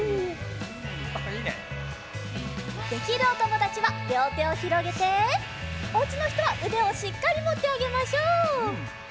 できるおともだちはりょうてをひろげておうちのひとはうでをしっかりもってあげましょう。